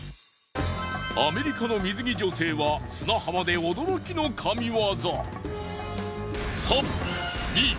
アメリカの水着女性は砂浜で驚きの神業。